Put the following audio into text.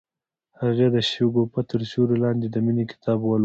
هغې د شګوفه تر سیوري لاندې د مینې کتاب ولوست.